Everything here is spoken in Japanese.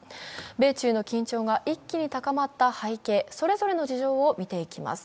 米中の緊張が一気に高まった背景それぞれの事情を見ていきます。